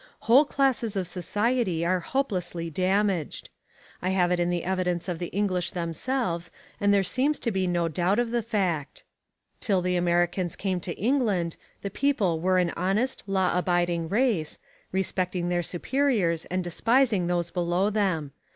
Whole classes of society are hopelessly damaged. I have it in the evidence of the English themselves and there seems to be no doubt of the fact. Till the Americans came to England the people were an honest, law abiding race, respecting their superiors and despising those below them.